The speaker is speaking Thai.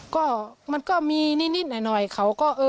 ก็มันก็มีนิดหน่อยครับ